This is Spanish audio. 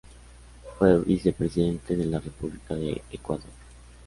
Fue vicepresidente de la República de Ecuador.